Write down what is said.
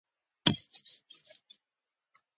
انسانان له انساني کرامته برخورداره دي.